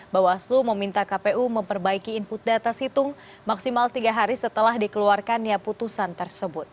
bawaslu meminta kpu memperbaiki input data situng maksimal tiga hari setelah dikeluarkannya putusan tersebut